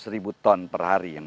dua ratus ribu ton per hari